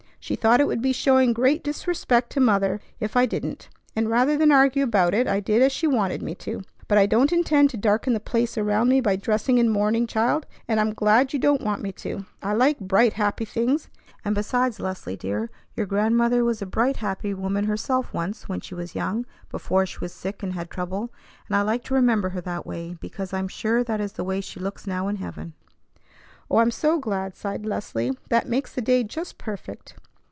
She thought it would be showing great disrespect to mother if I didn't, and rather than argue about it I did as she wanted me to. But I don't intend to darken the place around me by dressing in mourning, child; and I'm glad you don't want me to. I like bright, happy things. And, besides, Leslie, dear, your grandmother was a bright, happy woman herself once when she was young, before she was sick and had trouble; and I like to remember her that way, because I'm sure that is the way she looks now in heaven." "Oh, I'm so glad!" sighed Leslie. "That makes the day just perfect."